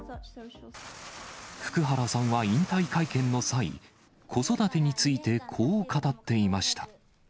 福原さんは引退会見の際、子育てについてこう語っていました。